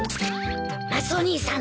マスオ兄さん